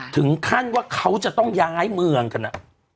ถึงขั้นว่าเขาจะต้องย้ายเมืองกัน